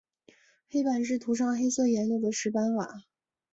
黑板是涂上黑色颜料的石板瓦。